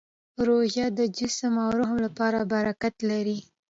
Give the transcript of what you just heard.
روژه د جسم او روح لپاره برکت لري.